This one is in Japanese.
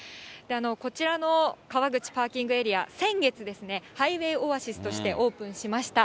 こちらの川口パーキングエリア、先月ですね、ハイウェイオアシスとしてオープンしました。